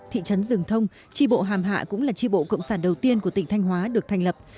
thị trấn rừng thông tri bộ hàm hạ cũng là tri bộ cộng sản đầu tiên của tỉnh thanh hóa được thành lập